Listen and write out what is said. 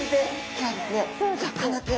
今日はですね